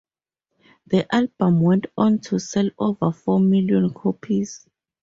The album went on to sell over four million copies.